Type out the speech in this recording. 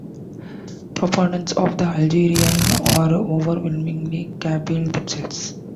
Proponents of the Algerian are overwhelmingly Kabyle themselves.